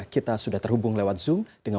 kita sudah terhubung lewat zoom dengan